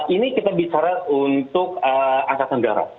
ini kita bicara untuk angkatan darat